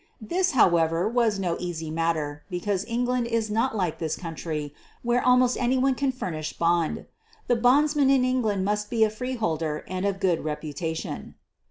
This, however, was no easy matter, because England is not like this country, where almost anyone can furnish bond. The bondsman in England must be a freeholder and of good reputation.